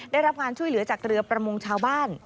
ได้รับการช่วยเหลือจากเรือประมงชาวบ้าน